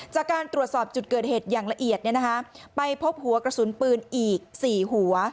จากการตรวจสอบจุดเกิดเหตุอย่างละเอียดไปพบหัวกระสุนปืนอีก๔หัว